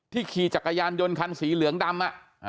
ขี่จักรยานยนต์คันสีเหลืองดำ